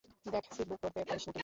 দ্যাখ, seat book করতে পারিস কিনা।